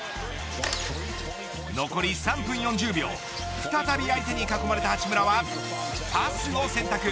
残り３分４０秒再び相手に囲まれた八村はパスを選択。